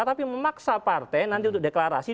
tapi memaksa partai nanti untuk deklarasi